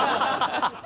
ハハハハ！